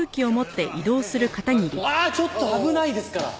ちょっと危ないですから。